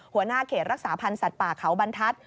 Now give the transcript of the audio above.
หัวหน้าเขตรักษาพันธ์สัตว์ป่าเขาบรรทัศน